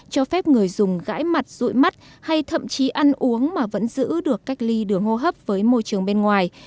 cho phép người dùng gãi mặt rụi mắt hay thậm chí ăn uống mà vẫn giữ được cách ly đường hô hấp với môi trường bên ngoài